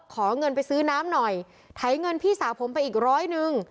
ขอเงินไปซื้อน้ำหน่อยไถเงินพี่สาวผมไปอีกร้อยหนึ่ง